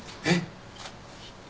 えっ！